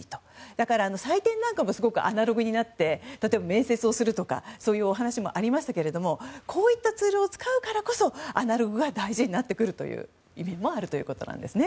だから採点なんかもすごいアナログになって例えば、面接をするというお話もありましたがこういったツールを使うからこそアナログが大事になってくるという面もあるということなんですね。